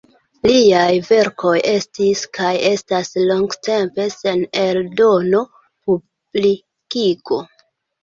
Liaj verkoj estis kaj estas longtempe sen eldono, publikigo.